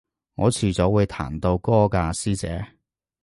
我遲早會彈到歌㗎師姐